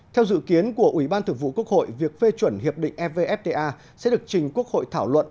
theo dự kiến của ủy ban thượng vụ quốc hội việc phê chuẩn hiệp định evfta sẽ được trình quốc hội thảo luận